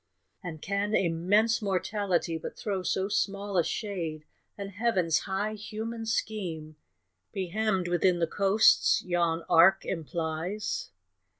And can immense Mortality but throw So small a shade, and Heaven's high human scheme Be hemmed within the coasts yon arc implies?